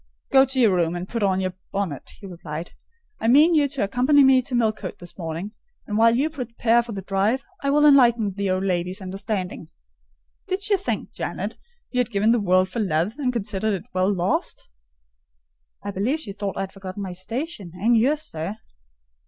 "Go to your room, and put on your bonnet," he replied. "I mean you to accompany me to Millcote this morning; and while you prepare for the drive, I will enlighten the old lady's understanding. Did she think, Janet, you had given the world for love, and considered it well lost?" "I believe she thought I had forgotten my station, and yours, sir."